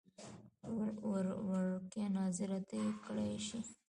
وړکیه ناظره ته یې کړی شې.